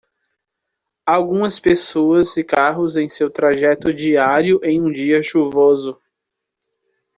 Algumas pessoas e carros em seu trajeto diário em um dia chuvoso.